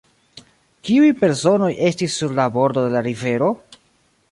Kiuj personoj estis sur la bordo de la rivero?